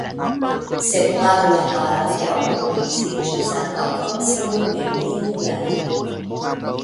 Setlado en la areo komenciĝis antaŭ proksimume mil jaroj.